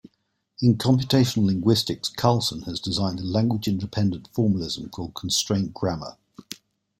In computational linguistics Karlsson has designed a language-independent formalism called Constraint Grammar.